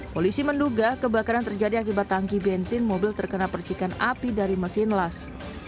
polisi menduga kebakaran terjadi akibat tangki bensin mobil terkena percikan api dari mesin las